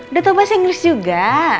udah tau bahasa inggris juga